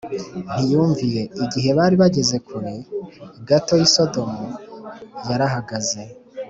ntiyumviye. Igihe bari bageze kure gato y’ i Sodomu yarahagaze